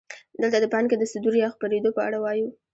دلته د پانګې د صدور یا خپرېدو په اړه وایو